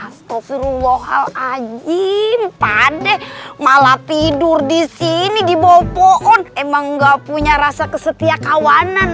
astagfirullahal'ajim padeh malah tidur di sini dibawa pohon emang nggak punya rasa kesetia kawanan